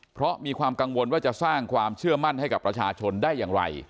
เพราะมีความกังวลว่าจะสร้างความเชื่อมั่นให้กับประชาชนได้อย่างไร